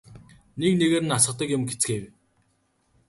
Нэг нэгээр нь асгадаг юм гэцгээв.